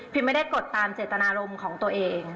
ไม่ได้กดตามเจตนารมณ์ของตัวเอง